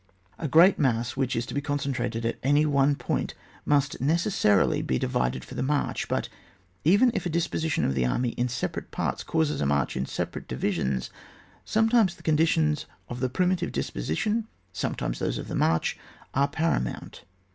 A gpreat mass which is to be concentrated at any one point must necessarily be divided for the march. But even if a disposition of the army in separate parts causes a march in separate divisions, sometimes the conditions of the primitive disposition, sometimes those of the march, are paramount.